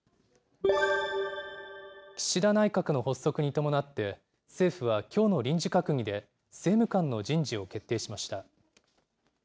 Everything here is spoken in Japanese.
岸田内閣の発足に伴って、政府はきょうの臨時閣議で、政務官の人事を決定しました。